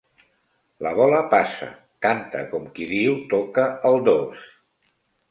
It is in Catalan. La bola passa —canta com qui diu toca-el-dos.